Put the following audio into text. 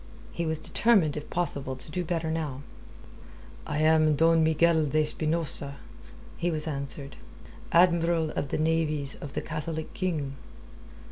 He was determined if possible to do better now. "I am Don Miguel de Espinosa," he was answered. "Admiral of the Navies of the Catholic King."